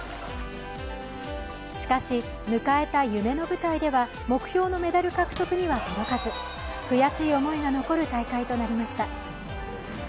しかし迎えた夢の舞台では目標のメダル獲得には届かず悔しい思いが残る大会となりました。